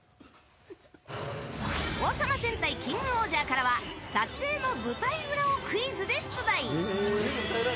「王様戦隊キングオージャー」からは撮影の舞台裏をクイズで出題！